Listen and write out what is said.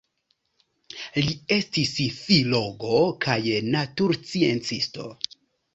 Li estis filologo kaj natursciencisto.